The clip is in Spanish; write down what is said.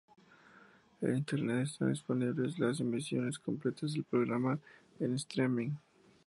En Internet están disponibles las emisiones completas del programa en "streaming".